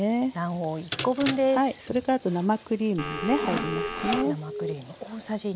それからあと生クリームもね入りますね。